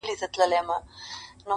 زوی په يوه ورځ نه ملا کېږي.